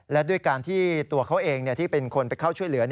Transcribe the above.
และด้วยการที่ตัวเขาเองที่เป็นคนไปเข้าช่วยเหลือ